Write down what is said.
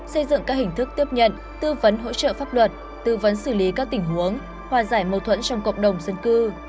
xây dựng các hình thức tiếp nhận tư vấn hỗ trợ pháp luật tư vấn xử lý các tình huống hòa giải mâu thuẫn trong cộng đồng dân cư